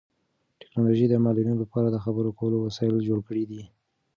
ټیکنالوژي د معلولینو لپاره د خبرو کولو وسایل جوړ کړي دي.